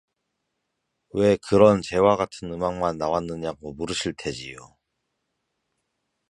왜 그런 재와 같은 음악만 나왔느냐고 물으실 테지요.